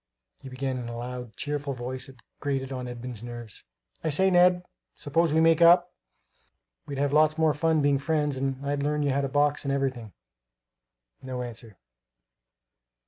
He began in a loud, cheerful voice that grated on Edmund's nerves. "I say, Ned, s'pose we make up! we'd have lots more fun being friends; and I'll learn you how to box and everything." No answer.